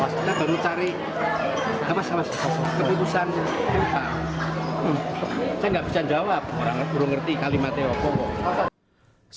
saya belum cari keputusan saya gak bisa jawab orang orang belum ngerti kalimatnya